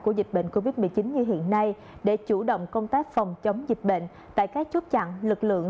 covid một mươi chín như hiện nay để chủ động công tác phòng chống dịch bệnh tại các chốt chặn lực lượng